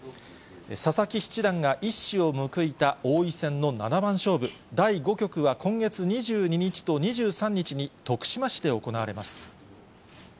佐々木七段が一矢を報いた王位戦の七番勝負、第５局は今月２２日と２３日に徳島市で行われます。